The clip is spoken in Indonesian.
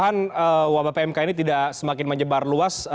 dan wabah pmk ini tidak semakin menyebar luas